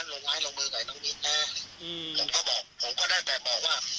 เราไล่ลงมือกับไอ้น้องมิ้นนะอืมผมก็บอกผมก็ได้แต่บอกว่า